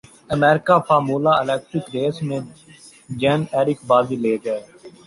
امریکہ formula electric race میں Jean Eric بازی لے گئے